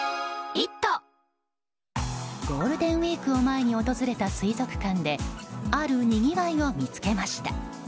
ゴールデンウィークを前に訪れた水族館であるにぎわいを見つけました。